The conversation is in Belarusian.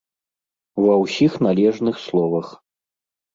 Ва ўсіх належных словах!